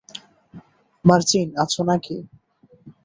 মার্জেইন, আছো নাকি?